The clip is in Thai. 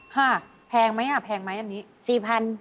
ค่ะแพงไหมอ่ะแพงไหมอันนี้